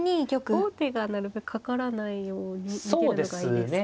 王手がなるべくかからないように逃げるのがいいですか。